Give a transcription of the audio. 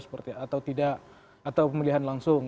pemilihan lewat dpr atau tidak atau pemilihan langsung